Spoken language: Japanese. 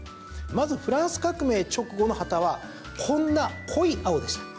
まずフランス革命直後の旗はこんな濃い青でした。